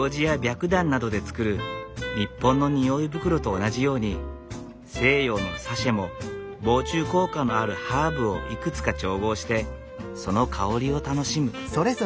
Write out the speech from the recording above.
くだんなどで作る日本の匂い袋と同じように西洋のサシェも防虫効果のあるハーブをいくつか調合してその香りを楽しむ。